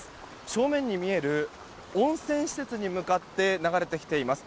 正面に見える温泉施設に向かって流れてきています。